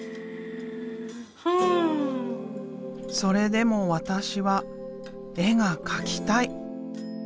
それでも私は絵が描きたい。